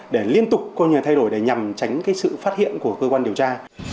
để liên tục coi như là thay đổi để nhằm tránh cái sự phát hiện của cơ quan điều tra